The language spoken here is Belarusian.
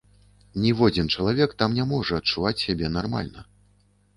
Ніводзін чалавек там не можа адчуваць сябе нармальна.